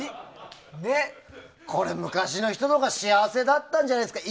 これ、昔の人のほうが幸せだったんじゃないですか。